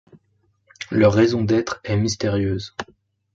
Leur raison d'être est mystérieuse.